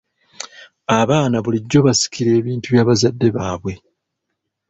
Abaana bulijjo basikira ebintu by'abazadde baabwe.